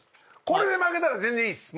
これで負けたら全然いいです